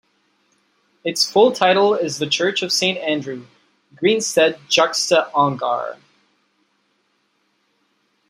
Its full title is The Church of Saint Andrew, Greensted-juxta-Ongar.